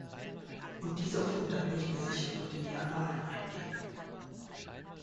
Und dieser Fund, da bin ich mir sicher, wird in die Annalen eingehen.